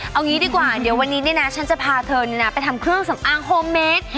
เอางี้ดีกว่าเดี๋ยววันนี้เนี่ยนะฉันจะพาเธอไปทำเครื่องสำอางโฮมเมด